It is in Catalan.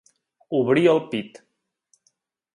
Obrir el pit.